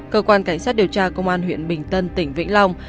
cơ quan cảnh sát điều tra công an huyện bình tân tỉnh vĩnh long